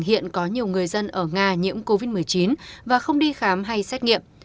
hiện có nhiều người dân ở nga nhiễm covid một mươi chín và không đi khám hay xét nghiệm